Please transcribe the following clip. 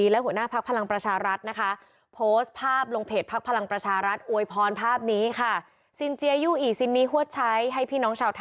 ๘ล้านกว่าชีวิต